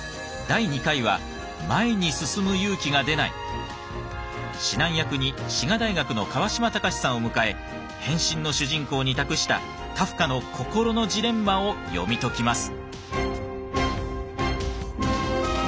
第２回は指南役に滋賀大学の川島隆さんを迎え「変身」の主人公に託したカフカの心のジレンマを読み解きます。